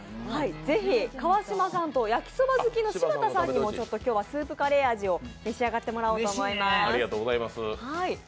ぜひ、川島さんと焼きそば好きの柴田さんにも今日はスープカレー味を召し上がってもらおうと思います。